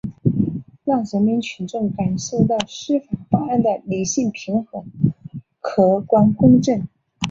让人民群众感受到司法办案的理性平和、客观公正